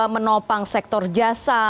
menopang sektor jasa